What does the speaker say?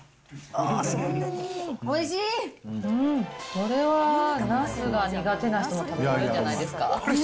これは、ナスが苦手な人も食べられるんじゃないですか？